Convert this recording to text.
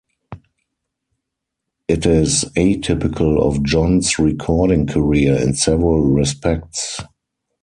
It is atypical of John's recording career in several respects.